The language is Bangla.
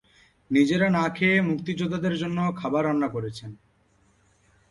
নিজেরা না খেয়ে মুক্তিযোদ্ধাদের জন্য খাবার রান্না করেছেন।